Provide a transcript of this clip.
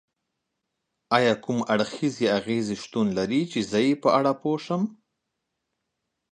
ایا کوم اړخیزې اغیزې شتون لري چې زه یې باید په اړه پوه شم؟